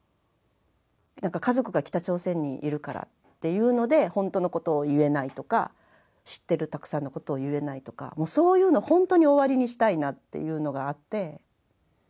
家族が北朝鮮にいるからっていうのでほんとのことを言えないとか知ってるたくさんのことを言えないとかもうそういうのほんとに終わりにしたいなっていうのがあって。